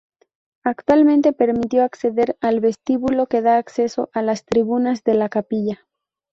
Actualmente permite acceder al vestíbulo que da acceso a las tribunas de la capilla.